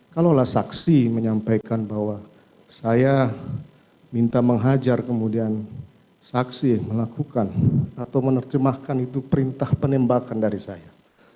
kalaulah saksi menyampaikan bahwa saya minta menghajar kemudian saksi melakukan atau menerjemahkan itu perintah penembakan dari saya